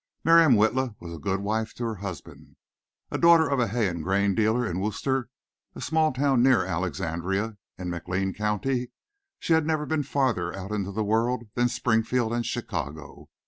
Miriam Witla was a good wife to her husband. A daughter of a hay and grain dealer in Wooster, a small town near Alexandria in McLean County, she had never been farther out into the world than Springfield and Chicago.